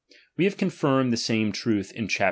We have confirmed the same truth in chap.